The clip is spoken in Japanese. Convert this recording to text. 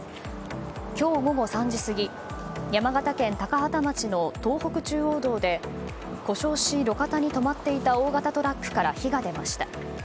今日午後３時過ぎ山形県高畠町の東北中央道で故障し、路肩に止まっていた大型トラックから火が出ました。